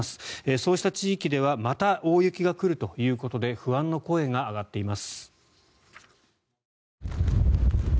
そうした地域ではまた大雪が来るということで不安の声が上がっています。